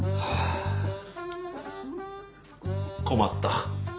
困った。